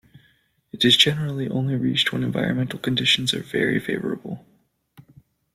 It is generally only reached when environmental conditions are very favorable.